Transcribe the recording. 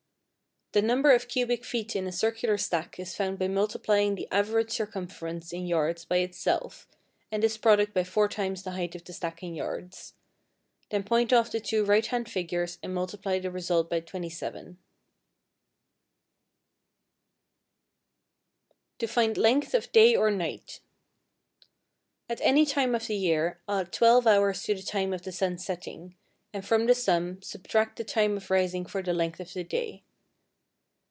The number of cubic feet in a circular stack is found by multiplying the average circumference in yards by itself and this product by four times the height of the stack in yards; then point off the two right hand figures and multiply the result by 27. =To Find Length of Day or Night.= At any time of the year add 12 hours to the time of the sun's setting, and from the sum subtract the time of rising for the length of the day.